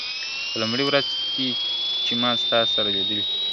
په لومړۍ ورځ چی می ستا سره لیدلي `